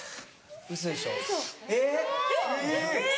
ウソでしょ。え！